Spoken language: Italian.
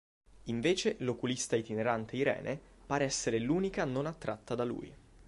Invece l'oculista itinerante Irene pare essere l'unica non attratta da lui.